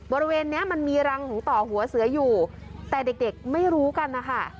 บริเวณนี้มันมีรังของต่อหัวเสืออยู่แต่เด็กไม่รู้กันนะคะ